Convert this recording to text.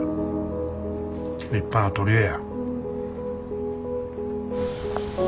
立派な取り柄や。